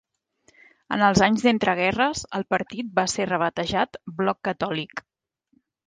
En els anys d'entreguerres el partit va ser rebatejat Bloc Catòlic.